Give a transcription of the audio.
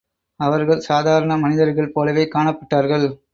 அவர்கள் சாதாரன மனிதர்கள் போலவே காணப்பட்டார்கள்.